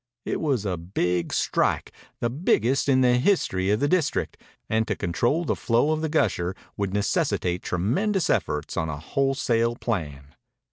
It was a big strike, the biggest in the history of the district, and to control the flow of the gusher would necessitate tremendous efforts on a wholesale plan.